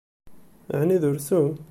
Ɛni d ursu?